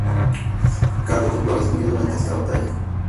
Carlos de Blois murió durante esta batalla.